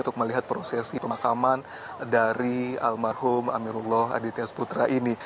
untuk melihat prosesi pemakaman dari almarhum amirullah aditya sputra ini